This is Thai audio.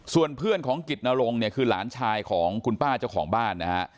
ส่วนเพื่อนของกิจนรงค์เนี่ยคือหลานชายของคุณป้าเจ้าของบ้านนะฮะ